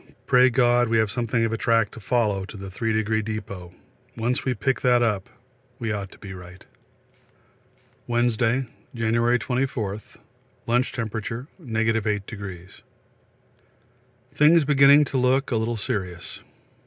Pray God we have something of a track to follow to the Three Degree Depôt once we pick that up we ought to be right. Wednesday, January 24. Lunch Temp. 8°. Things beginning to look a little serious.